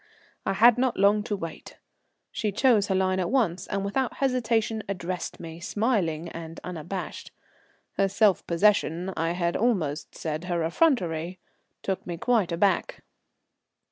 I had not long to wait. She chose her line at once, and without hesitation addressed me, smiling and unabashed. Her self possession, I had almost said her effrontery, took me quite aback.